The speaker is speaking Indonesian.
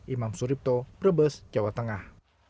imam suripto brebes jawa tengah